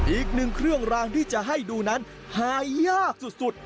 อีกหนึ่งเครื่องรางที่จะให้ดูนั้นหายากสุด